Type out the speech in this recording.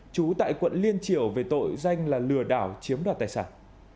trú tại quận liên triểu về tội danh là lừa đảo chiếm đoạt tài sản